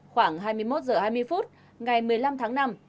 khoảng hai mươi một h hai mươi phút ngày một mươi năm tháng năm